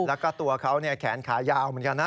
แล้วก็ตัวเขาแขนขายาวเหมือนกันนะ